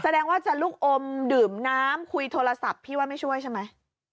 แสดงว่าจะลูกอมดื่มน้ำคุยโทรศัพท์พี่ว่าไม่ช่วยใช่ไหม